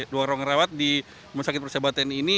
ruang ruang rawat di rumah sakit persahabatan ini